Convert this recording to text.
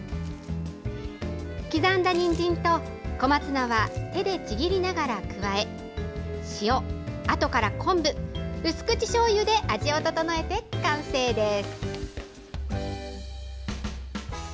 刻んだにんじんと小松菜は手でちぎりながら加え塩、あとから昆布うすくちしょうゆで味を調えて完成です。